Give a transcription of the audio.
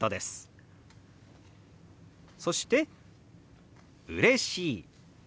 そして「うれしい」。